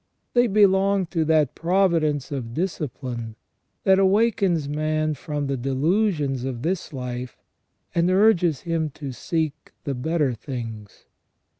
They belong to that providence of discipline that awakens man from the delu sions of this life, and urges him to seek the better things.